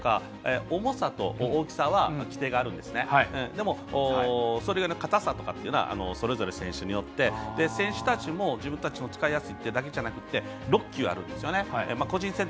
重さと大きさには規定がありますがでも硬さというのもそれぞれ選手たちによって選手たちも自分たちの使いやすいというのじゃなくて６球あるんですね。